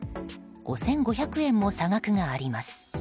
５５００円も差額があります。